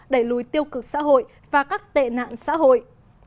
đẩy lùi tiêu cực xã hội và các tệ nạn xã hội